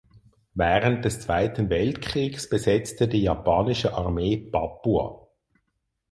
Während des Zweiten Weltkriegs besetzte die japanische Armee Papua.